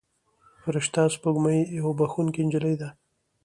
فرشته سپوږمۍ یوه بښونکې نجلۍ ده.